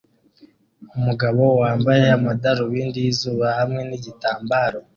Umugabo wambaye amadarubindi yizuba hamwe nigitambaro